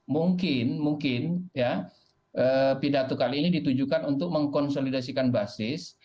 mungkin mungkin ya pidato kali ini ditujukan untuk mengkonsolidasikan basis